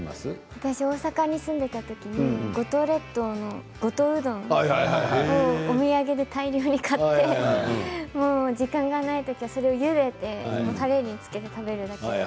大阪に住んでいた時五島列島の五島うどんをお土産で大量に買って時間がない時は、それをゆでてたれにつけて食べる。